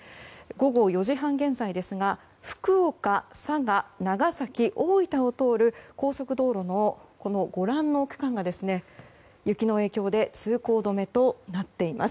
午後４時半現在ですが福岡、佐賀、長崎、大分を通る高速道路のご覧の区間が雪の影響で通行止めとなっています。